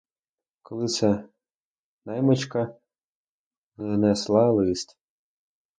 Коли це наймичка внесла лист.